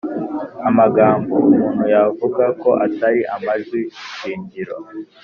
amagambo. Umuntu yavuga ko atari amajwi shingiro